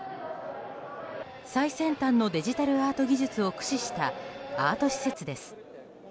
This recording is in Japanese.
最先端のデジタルアート技術を駆使したアート施設です。